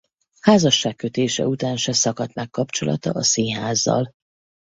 Házasságkötése után se szakadt meg kapcsolata a színházzal.